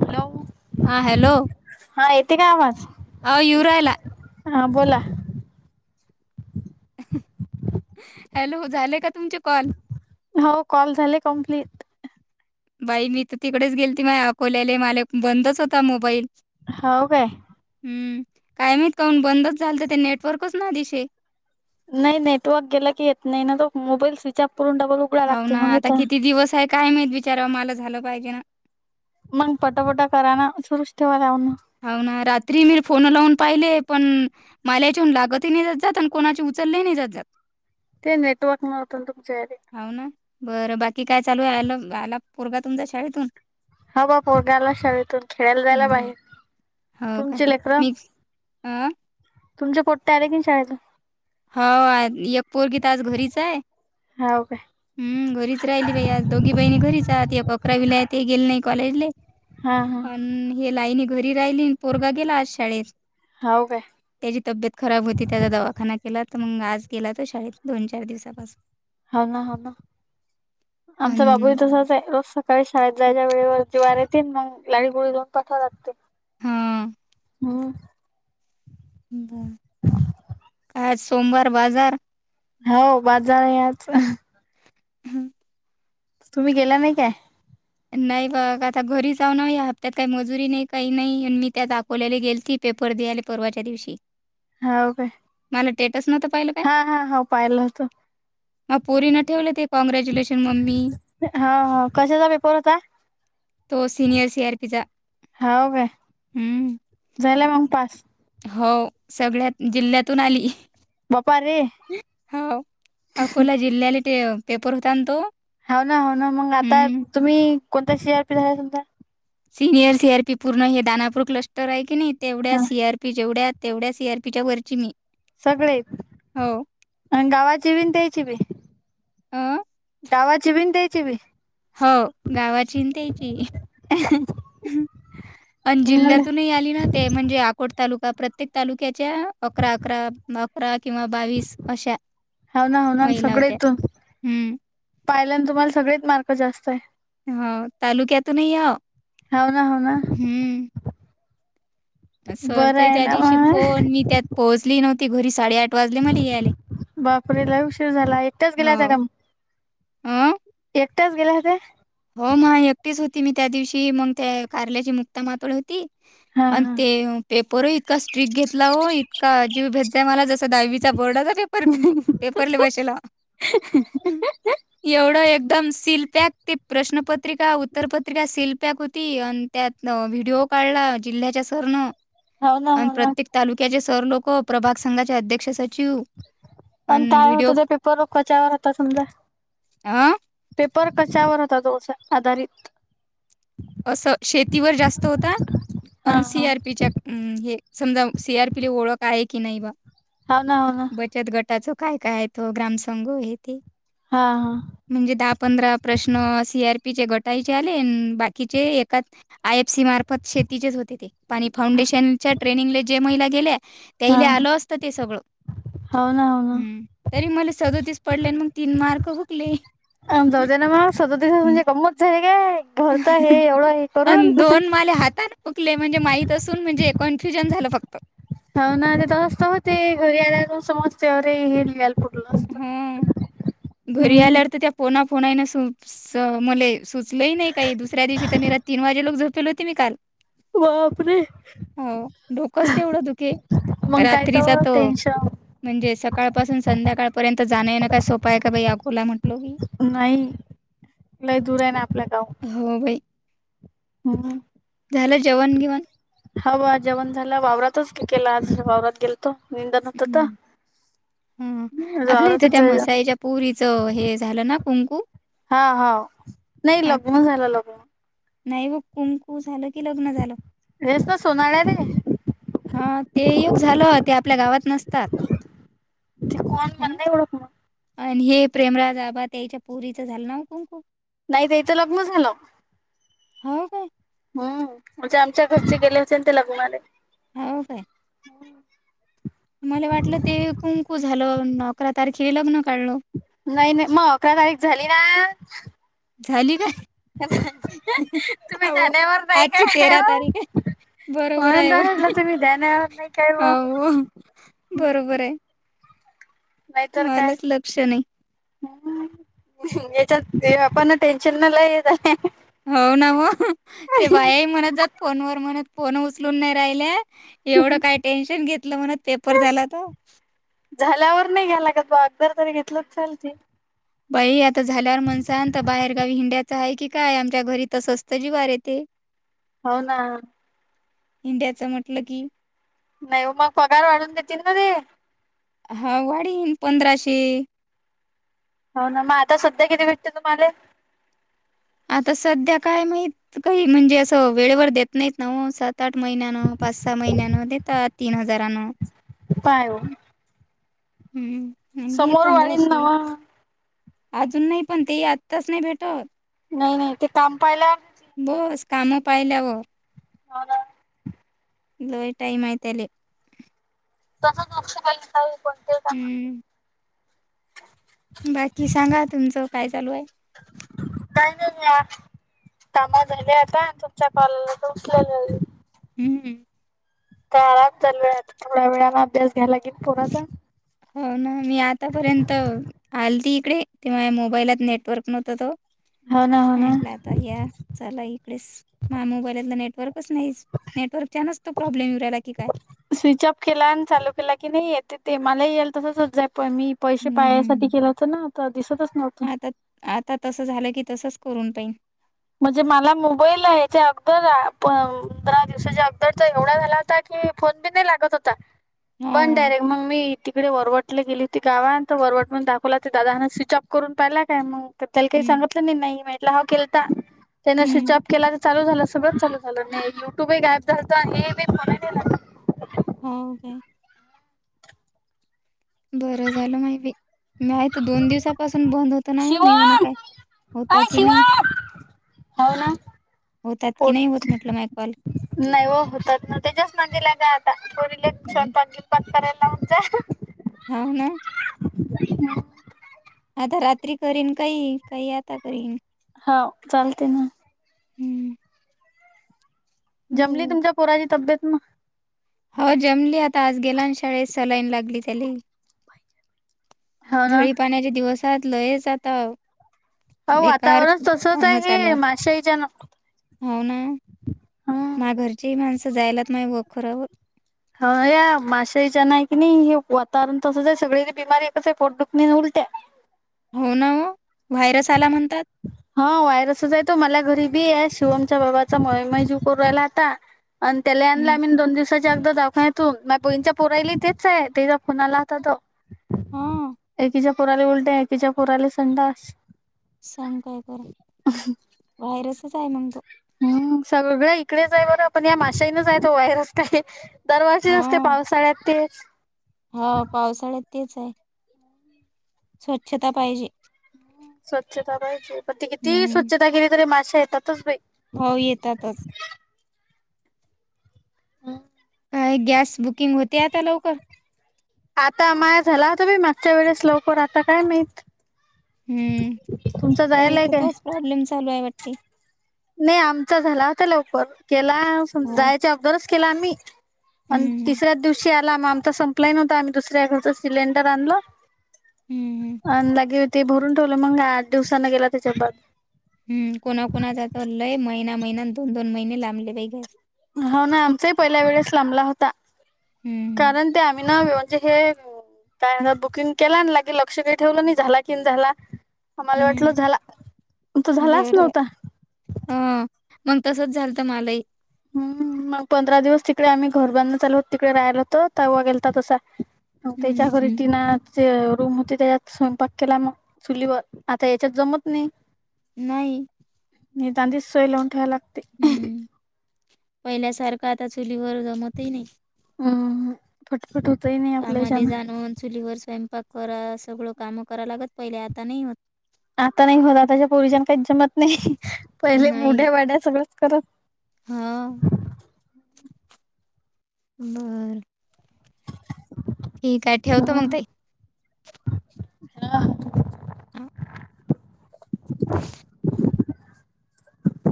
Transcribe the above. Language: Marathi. हॅलो हां हॅलो. हा येते का आवाज अ इवरायला हा बोला. हॅलो झालंय का तुमचे कॉल हो कॉल झाले कम्प्लीट बाई मी तर तिकडेच गेल त माझ अकोल्याले माला बंदच होता मोबाईल हो का हम्म काय मात काून बंदच झाल तर ते नेटवर्कच ना दिशे नाही नेटवर्क गेला की येत नाही ना त मोबाईल स्विच अप करून डबल उघडा हो लागते ना मग आता येत किती दिवस आहे काय मात विचारा मला झालं पाहिजे ना मग पटपट कराना सुरूच ठेवानाव मग हाव ना रात्री मी फोन लावून पाहिले पण माला याच्यावरन लागतही जात जात. आणि कोणाची उचलले नाही जात जात. ते नेटवर्क नव्हतं ना तुमच्यायाले. होा ना बरं बाकी काय चालू आहे आ आला पोरगा तुमच्या शाळेतून ह बा पोन आला शाळेतून खेळाला जायला बरं. बाहेर हो काय तुमचे मिकस अ तुमच्या पट्या आले की शाळेला हो एक पोरगी तर आज घरीच आहे. हाव काय हम्म घरीच राहीली बयी आज. दोघी बहिणी घरी आहेत. एक अकरावीले आहे. ती गेले नाही कॉलेजले. हा हा आणि हे लाईन घरी राहिलीन पोरगा गेला आज शाळेत. हाव काय त्याची तब्येत खराब होती. त्याचा दवाखाना केला तर मग आज गेला तो शाळेत दोन चार दिवसापासून. हाव ना हाव ना आमचा अन् बाबूही तसाच आहे रोज सकाळी शाळेत जायच्या वेळेवरती जीवावर येेते. मग लाडी गोडी लावुन पाठवाव लागते. हां हम्म [unintelligible] [inaudible] आज सोमवार बाजार हो बाजार आज. हम्म तुम्ही गेला नाही काय? नाही बघ आता घरी जाऊ ना या हपत्यात काही मजुरी नाही काही नाही आणि मी त्या दाख गेलती पेपर देयाले परवाच्या दिवशी. हाव काय मला टेटस नव्हंत पाहिलं. काय? हा हा हा पाहिल होत. मा पोरीन ठेवले ते कँग्रॅच्युलेशन मम्मी. ह हो कशाचा पेपर होता. तो सीनियर सी आर पीचा. व्हय हं. झाला मग पास. हो सगळ्यात जिल्ह्यातून आली. बापा रे हो अकोला जिल्ह्याले ते पेपर होता तो. हाव ना हाव ना मग आता हं. तुम्ही कोणता सी आर पी झाला तुमचा. सिनियर सी आर पी पूर्ण हे दानापूर क्लस्टर आहे की नाही, तेवढ्या हा सी आर पी जेवढ्यात तेवढ्या सी आर पीच्या वरची मी. सगळे हो. आणि गावाचे बी त्याची बी. अ, गावाची बीन त्याचीबी हो गावाची त्याची. अंन मले जिल्यातूनही आली ना. ते म्हणजे अकोट तालुका प्रत्येक तालुक्याच्या अकरा अकरा अकरा किंवा बावीस अशा हो ना महिला होत्या हम्म पाहिल्यान तुम्हाला सगळ्यात मार्क जास्त आहे. हो तालुक्यातूनही हो हाव ना हाव ना हम्म बरं सरचाही आहे त्या ना दिवशी मग फोन. मी त्यात पोहोचली नव्हती घरी साडेआठ बापरे लयी उशीर झाला. एकट्याच गेला होत्या का हो. म. अ? एकट्याच गेल्या होत्या. हो मग एकटीच होती मी त्या दिवशी मग त्या कारल्याची मुक्ता मातोड होती. हा आणि हा ते पेपर इतका स्ट्रिक घेतला हो इतका अजीव भेजजय मला जस दहावीचा बोर्डाचा पेपर. पेपरले बसेला एवढं एकदम सील पॅक. ते प्रश्नपत्रिका उत्तरपत्रिका सेल पॅक होती आणि त्यात व्हिडिओ. पाळला जिल्ह्याच्या सोरनं. हो ना आणि हो ना प्रत्येक तालुक्याचे सर लोक, प्रभाग संघाचे अध्यक्ष सचिव आणि काय होतं ते पेपरवर कशावर होता समजा अ? पेपर कच्यावर होता तो आधारित. असं शेतीवर जास्त होता. हा अन सी हा आर पीच्या हम्म हे समजा सी आर पिले ओळख आहे की नाही बा. हाव ना हाव ना. बचत गटाचं काय काय आहे त ग्रामसंघ हे ते. हा हा म्हणजे दहा पंधरा प्रश्न सी आरपीचे घटाईचे आले बाकी. एका आय एफसी मार्फत शेतीचेच होते ते पाणी फाउंडेशनच्या ट्रेनिंग जे महिला गेल्या हा त्याला आलो असत ते सगळं हो ना हो ह. ना तरी मला सदतीस पडले आणि मग तीन मार्क भुकले. आम जाऊ दे ना मग सदतीस म्हणजे काय गंमत झाली काय आहे का घरच हे एवढं हे करून. अन् मला हुकले म्हणजे माहीत असून म्हणजे कन्फ्युजन झालं फक्त हऊ ना ते दसत होते घरी आला सस्ते रे हे गलपट हो घरी हम्म आल्यावर तर त्या पोना फोना न सु मले सुचलंही नाही काही दुसऱ्या दिवशी तर निराात तीन वाजे लोक झोपेल होती मी काल व आप हो डोकंच तेवढं दुखे मग काय रात्रीचा तर त टेन्शन म्हणजे सकाळपासून संध्याकाळपर्यंत जाण ना का सोप पय का बाकोला म्हटलो की नाही कु लही दूर आहे ना आपल्या गाव हो बाई हम्म झालं जेवण घेवण हवा जेवण झाला वावरातच केला आज वावरात गेल निंद न होतात हं हं. आपल्या इथं त्या जाला मसाईच्या पुरीचं हे झालं ना कुंकु हा हा नाही लग्न झालेल. नाही बग कुंकु झालं की लग्न झालं. रस ना सोनाळ्या रे हा ते योग झालं ते आपल्या गावात नसतात ते कोण म्हंद आहे एोडं कोण आणि हे प्रेमराज आबाात याच्या पुरीच झालं नाव कोुमकुम नाही ते इथं लग्न झालं हो काय हम्म म्हणजे आमच्या घरचे गेले होते ते लग्णारले हो काय. मला वाटलं ते कुंकू झालं अकरा तारखे लग्न काढलं. नाही नाही मग अकरा तारीख झाली ना. झाली काय तुम्ही हो जाण्यावर नाही आजची काय तेरा म्हणून तारीख. बरोबर तर आहेय हो, म्हटलं तुम्ही ध्यानावर नाही काय मग हाव वो बरोबर आहे. नाहीतर काय. मलाच लक्ष नाही ह याच्यात पन टेन्शन न लय येत. हो ना हो ते बायाही म्हणत जात फोनवर म्हणत फोन उचलून नाही राहिल्या. एवढं काय टेन्शन घेतलं म्हणत पेपर झाला त. झाल्यावर नाही घ्यायलागत बा आगोदर तरी घेतल चालते. बाई आता झाल्यावर म्हणसाां बाहेरगावी हिंड्याच आहे की काय आमच्या घरी त असवस्त जिवार येते होना हीडियाचं म्हटलं की नाही मग पप्पा काय वाढून देेत मध्ये हा वाढन पंधराशे हो ना मग आता सध्या किती भेटते तुम्हाला आता सध्या काय माहत काही म्हणजे असं वेळेवर देत नाहीत नव सात. सात आठ महिन्यानं पाच सहा महिन्यानं ते तीन हजारांन. पायमग. हम्म हम हे समोर वाढीन पंधराशे. नवा आजून नाही पण तेही आत्ताच नाही भेटत. नाही नाही ते काम पायला.. बस कामं पाहिल्याव.. हो ना. लय टाईमहाय तेले. तसंच लक्ष का घता आहे पण.. हम्म. बाकी सांगा तुमचं काय चालू आहे. काय नाही या. काम धंदे आता तुमचा कॉल आला त उचलल.... हम्.. का आराम चालू आहे थोड्या वेळाने अभ्यास घ्यायला गेल पोराचा. हो ना मी आतापर्यंत, आलती इकडे ते माया मोबाईलात नेटवर्क नव्हत त. हो ना हो ना माटलं आता या चला इकडेच माय मोबाईलत नेटवर्कच नाहीच. नेटवर्कच्या नच त प्रॉब्लेम येऊ राहिला की काय? स्विच ऑफ केला आणि चालू केला की नाही येते ते मलाही येईल तसंचच जाय प मी... पैसे हम्म हम्म पायासाठी केलं होत ना त दिसतच नव्हतं. आता आता तसं झालं की तसंच करून पाईन. म्हणजे मला मोबाईल आहे आचा अगोदर.. पंधरा दिवसाच्या अगदर तर एवढा झाला होता की फोन बी नाही लागत होता. ‌ हो, बंद हो. डयरेक्ट मग मी तिकडे वरवट. तित गेलीती गावात तर वरवटून दाखवला ते दादान स्विच ऑफ करून पाहिला मग त्याला काही सांग.. हं. तितनाही मिटलं ह केलता. त्याने स्विच हं. अप केला तर चालू झालं सगळंच चालू झालं नाही युट्यूब ही गायब झालेत हे बी फोन... हो काय. बरं झालं माहिती नाहीत दोन दिवसापासून बंद होत नाहो मी म्हण शिवम काय.. होता अय की नाही. शिवम हो ना. होतात की पोट नाही होत म्हटलं माय कॉल. नाही हो होतात ना त्याच्याच नादि लागा आता पोरीले स्वयंपाक बियपाक करायला लावून जा. हाव ना. ह.. आता रात्री करीन काही काही आता करीन. हाव चालत ना. हम्म. जमली तुमच्या पोराची तब्येत म... हो जमली आता आज गेलानी शाळेत सलाईन लागली त्याले. हो ना. झळी पाण्याच्या दिवसात लय आाता हो वातावरण तसच आहे हे माशाईच्या ना हो ना हम्म. मा घरचीही माणसं जायलाच माहि व खरावर ह या माशाईच्या नाही की नाही हे वातावरण तसंच आहे सगळ बिमारी एक आहे पोटडुखणी उलट्या हो नव व्हायरस आला म्हणतात हा वायरसच आहे तो मला गरीबी आहे शिवमच्या बाबाचा ममजू कर राहिला आता आणि त्याला हं. आम् दोन दिवसा गद दावाखान्यातून मा बंच्या पुरायली तेच आहे ते ज फुणाला होताात हां. एकीच्या पोराले उलट एकीच्या पोराला संडास सांग काय ब व्हायरसच आहे मग तो. हम् सगळ्या इकडेच आहे बरं पण या माशाईनचय तो व्हायरस काय दरवर्षीच असते पावसाळ्यात ते हा पावसाळ्यात तेच आहे स्वच्छता पाहिजे. स्वच्छता पाहिजे प त किती स्वच्छता केली तरी माश्या येतातच बाई हो येतातच. का गॅस बुकिंग होते आता लवकर. आता माया झाला होता बी मागच्या वेळेस लवकर आता काय मात. हं. तुमच तरी जायलाय तर इथं काय? तोच प्रॉब्लेम सचालवू आहे वाटते. नाही आमचा झाला होता लवकर केला हो. जायचे अबदरच केला आम्ही. आणि हं. तिसऱ्याच दिवशी आला आमचा संपलाय नव्हता आम्ही दुसऱ्याकडच सिलेंडर आणला. हं. हं. अंदागे हो ते भरून ठेवलं मंग आठ दिवसांना गेला त्याच्यापद. हम् कोणाकणा जातलय महिना महिना दोन दोन महिने लांबलेै गे होा ना आमचाही पहिल्या वेळेस लांबला होता हं. कारण ते आम्ही ना व्य म्हणजे हे काय बुकिंग केला ना लागे लक्ष का ठेवलं नाही झाला की नाही झाला. आ मला वाटलं हं. झाला तो झालाच नव्हता ह मग तसच झालं तर मलाही हम् मग पंधरा दिवस तिकडे आम्ही घर बांध चालोत तिकडे राहियलं होत ता गेलता तसा हं. त्याच्या घरी हं. टिना. जे रूम होते त्याच्यात स्वयंपाक केला मग चुलीवर आता याच्यात जमत नाही. नाही नि दां दिच सोलावंठेयला हम्म पहिल्यासारखं आता चुलीवर जमवतही नाही हम फटफट होतय नाही कामाले जाणून चुलीवर स्वयंपाक करा सगळं काम कराव लागत पहिले आता नाही होत. आता नाही होत आताच्या पोरुषांना काहीच जमत नाही पहिले बुढ्या वाड्या सगळंच करत हा बरं ठीक आहे ठेवतो मग त ह हां.